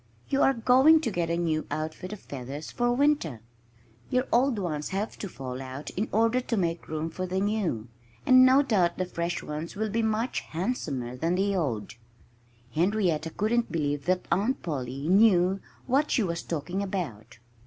You are going to get a new outfit of feathers for winter. Your old ones have to fall out in order to make room for the new. And no doubt the fresh ones will be much handsomer than the old." Henrietta couldn't believe that Aunt Polly knew what she was talking about.